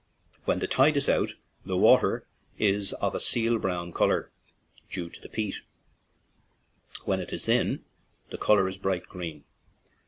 When the tide is out the water is of a seal brown color, due to the peat ; when it is in, the color is bright green.